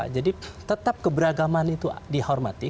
jadi tetap keberagaman itu dihormati